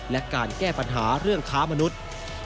และการแก้ปัญหาเรื่องค้ามนุษย์